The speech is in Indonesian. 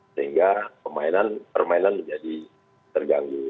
sehingga permainan menjadi terganggu